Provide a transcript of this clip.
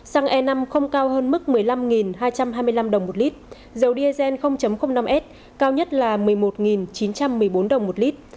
xăng e năm không cao hơn mức một mươi năm hai trăm hai mươi năm đồng một lít dầu diesel năm s cao nhất là một mươi một chín trăm một mươi bốn đồng một lít